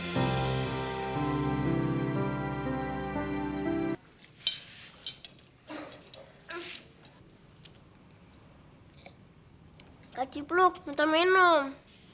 kak cipluk minta minum